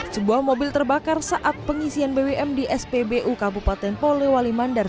sebuah mobil terbakar saat pengisian bbm di spbu kabupaten polewali mandar